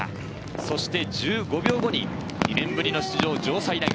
そして１５秒後に２年ぶりの出場、城西大学。